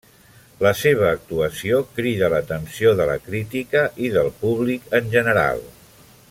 La seva actuació cridà l'atenció de la crítica i del públic en general.